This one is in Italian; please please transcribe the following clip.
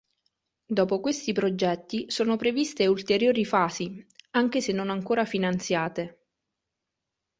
Dopo questi progetti sono previste ulteriori fasi, anche se non ancora finanziate.